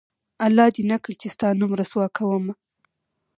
الله دې نه کړي چې ستا نوم رسوا کومه